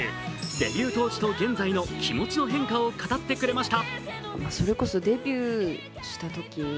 デビュー当時と現在の気持ちの変化を語ってくれました。